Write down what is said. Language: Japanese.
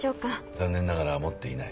残念ながら持っていない。